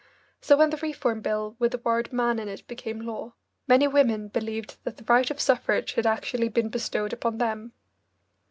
So when the Reform Bill with the word "man" in it became law, many women believed that the right of suffrage had actually been bestowed upon them.